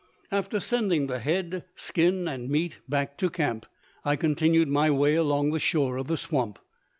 After sending the head, skin and meat back to camp, I continued my way along the shore of the swamp.